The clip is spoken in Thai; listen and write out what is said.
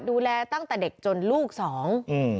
ดูแลตั้งแต่เด็กจนลูกสอง